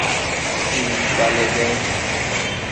اي ڪآلي جآئي۔